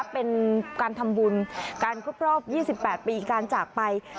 เป็นการทำบุญการครบรอบ๒๘ปีการจากไป